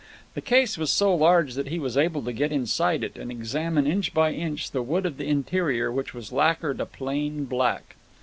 The case was so large that he was able to get inside it, and examine inch by inch the wood of the interior, which was lacquered a plain black.